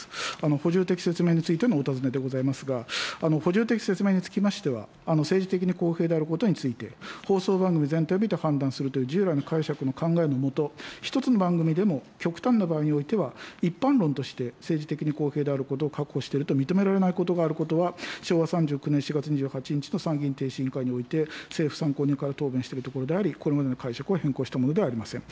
補充的説明についてのお尋ねでございますが、補充的説明につきましては、政治的に公平であることについて、放送番組全体を見て判断するという従来の解釈の考えの下、一つの番組でも極端な場合においては、一般論として、政治的に公平であることを確保していると認められないことがあることは、昭和３９年４月２８日の参議院逓信委員会において、政府参考人から答弁しているところであり、これまでの解釈を変更したものではありません。